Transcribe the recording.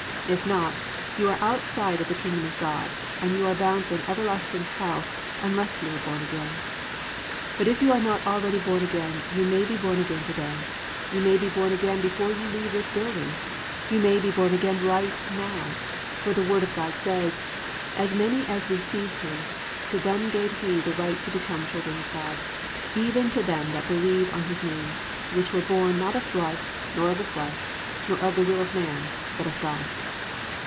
If not, you are outside of the Kingdom of God and you are bound for an everlasting hell unless you are born again. But if you are not already born again you may be born again to day, you may be born again before you leave this building, you may be born again right now; for the Word of God says, +"As many as received him, to them gave he the right to become children of God, even to them that believe on his name: which were born, not of blood, nor of flesh, nor of the will of man, but of God."